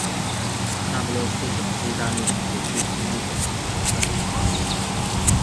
那不勒斯省是意大利人口最密集的省份。